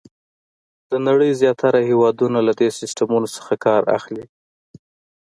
د نړۍ زیاتره هېوادونه له دې سیسټمونو څخه کار اخلي.